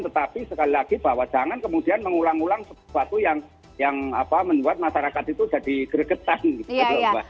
tetapi sekali lagi bahwa jangan kemudian mengulang ulang sesuatu yang membuat masyarakat itu jadi gregetan gitu mbak